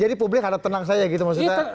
jadi publik harus tenang saja gitu maksudnya